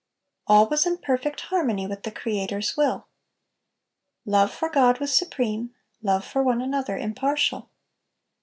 All was in perfect harmony with the Creator's will. Love for God was supreme, love for one another impartial.